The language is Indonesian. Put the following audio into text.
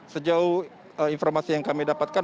sejauh informasi yang kami dapatkan